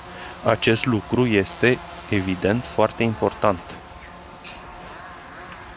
Acest lucru este, evident, foarte important.